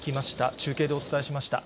中継でお伝えしました。